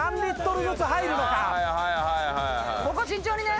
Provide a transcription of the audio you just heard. ここ慎重にね！